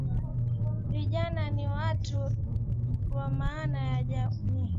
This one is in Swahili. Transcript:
Vijana ni watu wa maana kwa jamii